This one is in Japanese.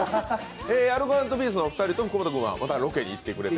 アルコ＆ピースのお二人福本君とまたロケに行ってくれて。